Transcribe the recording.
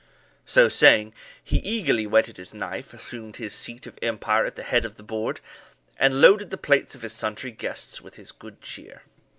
So saying, he eagerly whetted his knife, assumed his seat of empire at the head of the board, and loaded the plates of his sundry guests with his good cheer.